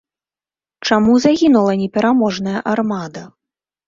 Чаму загінула непераможная армада?